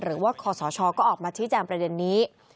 หรือว่าคสชก็ออกมาที่จามประเด็นนี้